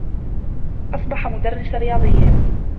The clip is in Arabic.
أصبح مدرّس رياضيّات.